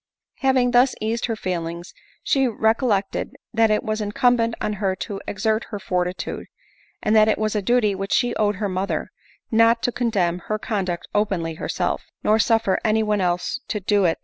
Having thus eased her feelings, she recollected that it was incumbent on her to exert her fortitude ; and that it was a duty which she owed her mother not to condemn her conduct openly herself, nor suffer any one else to do xm \* ADELINE MOWBRAY.